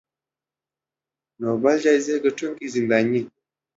نوبل جایزې ګټونکې زنداني